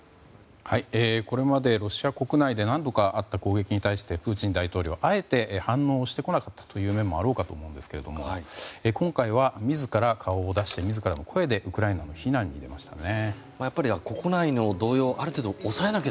これまでロシア国内で何度かあった攻撃に対してプーチン大統領あえて反応をしてこなかった面もあろうかと思うんですが今回は自ら顔を出して自らの声でウクライナの非難をしましたね。